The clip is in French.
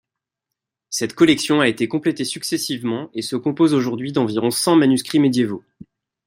Cette collection a été complétée successivement et se compose aujourd’hui d'environ cent manuscrits médiévaux.